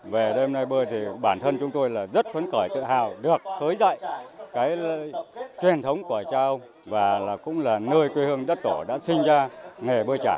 về đêm nay bơi thì bản thân chúng tôi rất khuấn khởi tự hào được khởi dạy truyền thống của cha ông và cũng là nơi quê hương đất tổ đã sinh ra nghề bơi trải